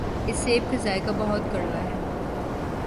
اس سیب کا ذائقہ بہت کڑوا ہے۔